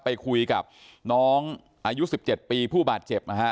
ไปคุยกับน้องอายุ๑๗ปีผู้บาดเจ็บนะฮะ